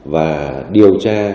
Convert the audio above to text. và điều tra